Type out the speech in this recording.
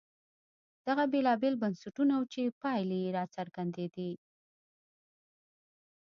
دغه بېلابېل بنسټونه وو چې پایلې یې راڅرګندېدې.